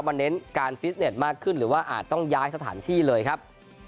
เน้นการฟิตเน็ตมากขึ้นหรือว่าอาจต้องย้ายสถานที่เลยครับ